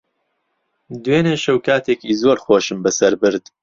دوێنێ شەو کاتێکی زۆر خۆشم بەسەر برد.